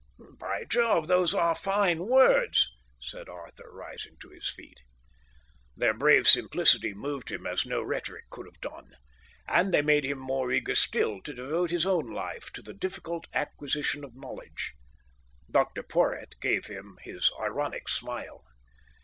"By Jove, those are fine words," said Arthur, rising to his feet. Their brave simplicity moved him as no rhetoric could have done, and they made him more eager still to devote his own life to the difficult acquisition of knowledge. Dr Porhoët gave him his ironic smile.